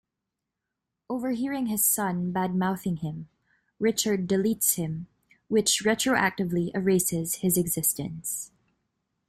Overhearing his son badmouthing him, Richard deletes him, which retroactively erases his existence.